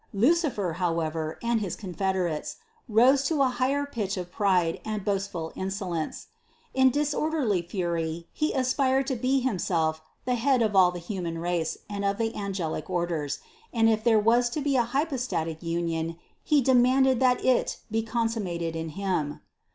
Lucifer, however, and his confederates, rose to a higher pitch of pride and boastful insolence. In dis orderly fury he aspired to be himself the head of all the human race and of the angelic orders, and if there was to be a hypostatic union, he demanded that it be con summated in him.